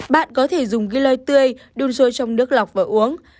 bạn có thể dùng ghi lời tươi đun sôi trong nước lọc và uống